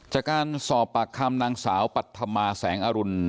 จากการสอบปากคำนางสาวปัธมาแสงอรุณ